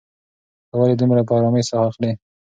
ته ولې دومره په ارامۍ ساه اخلې؟